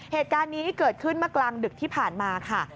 เหตุการณ์นี้เกิดขึ้นเมื่อกลางดึกที่ผ่านมาค่ะ